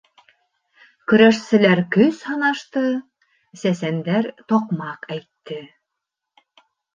Көрәшселәр көс һынашты, сәсәндәр таҡмаҡ әйтте.